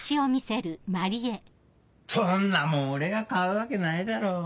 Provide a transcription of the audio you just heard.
そんなもん俺が買うわけないだろ。